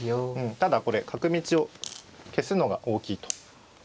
ただこれ角道を消すのが大きいと。